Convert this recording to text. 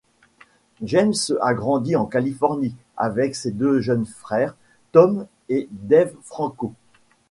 James a grandi en Californie avec ses deux jeunes frères, Tom et Dave Franco.